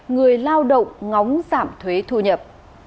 người lao động ngóng giảm thuế thu nhập